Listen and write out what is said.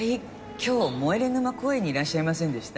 今日モエレ沼公園にいらっしゃいませんでした？